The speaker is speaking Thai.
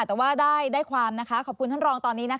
แต่ว่าได้ความนะคะขอบคุณท่านรองตอนนี้นะคะ